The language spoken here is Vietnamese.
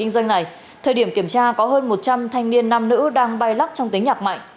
doanh này thời điểm kiểm tra có hơn một trăm linh thanh niên nam nữ đang bay lắc trong tính nhạc mạnh